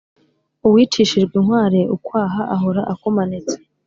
Uwicishije inkware ukwaha ahora akumanitse.